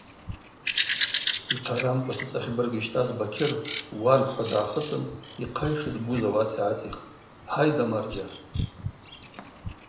Йхъарамкӏва сыцӏахьбырг йщтӏаз Бакьыр уаргв – хӏва дгӏахысын йхъа йшызбуз ауапӏа йгӏацӏихтӏ: Хӏайда-марджьа.